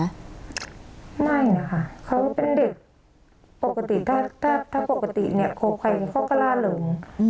ไม่นะคะเขาเป็นเด็กปกติถ้าถ้าถ้าปกติเนี้ยเขาใครมันเข้ากระล่าหลงอืม